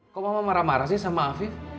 kok mama marah marah sih sama afif